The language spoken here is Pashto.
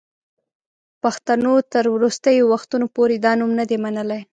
پښتنو تر وروستیو وختونو پوري دا نوم نه دی منلی.